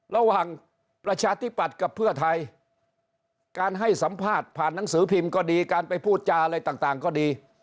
ระหว่างประชาธิปัตย์กับเพื่อไทยการให้สัมภาษณ์ผ่านหนังสือพิมพ์ก็ดีการไปพูดจาอะไรต่างก็ดี